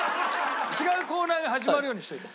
違うコーナーが始まるようにしといて。